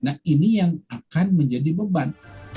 nah ini yang akan menjadi beban